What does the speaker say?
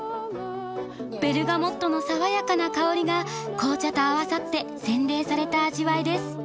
ベルガモットの爽やかな香りが紅茶と合わさって洗練された味わいです。